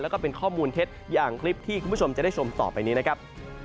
แล้วก็เป็นข้อมูลเท็จอย่างคลิปที่คุณผู้ชมจะได้ชมต่อไปนี้นะครับ